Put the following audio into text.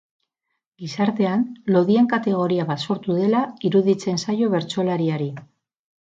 Gizartean lodien kategoria bat sortu dela iruditzen zaio bertsolariari.